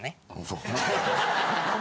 そう。